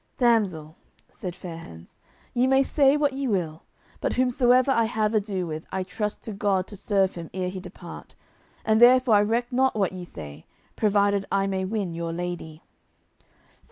"Damsel," said Fair hands, "ye may say what ye will, but whomsoever I have ado with I trust to God to serve him ere he depart, and therefore I reck not what ye say, provided I may win your lady."